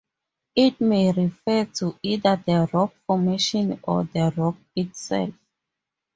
It may refer to either the rock formation or to the rock itself.